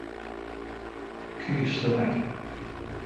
ݭیݭ سمٹ۔